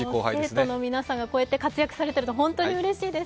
生徒の皆さんが活躍されていると本当にうれしいです。